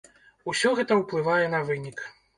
Усё гэта ўплывае на вынік.